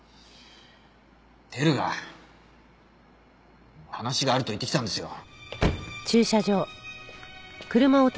輝が話があると言ってきたんですよ。